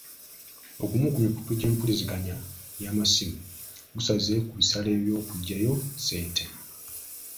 Ogumu ku mukutu gw'empuliziganya y'amasimu gusaze ku bisale by'okuggyayo ssente.